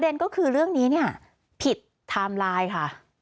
ยังไงครับ